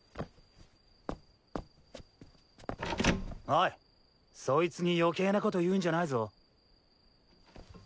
おいそいつに余計なこと言うんじゃないぞ。